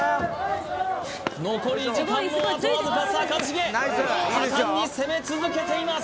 残り時間もあとわずかさあ一茂果敢に攻め続けています